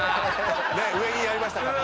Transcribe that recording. ねっ上にありましたからね。